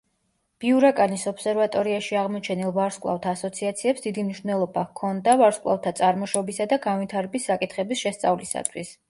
ბიურაკანის ობსერვატორიაში აღმოჩენილ ვარსკვლავთ ასოციაციებს დიდი მნიშვნელობა ჰქონდა ვარსკვლავთა წარმოშობისა და განვითარების საკითხების შესწავლისათვის.